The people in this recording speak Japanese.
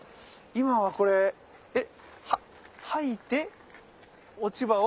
今はこれ掃いて落ち葉を？